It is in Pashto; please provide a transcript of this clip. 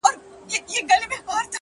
د تورو زلفو په هر تار راته خبري کوه ـ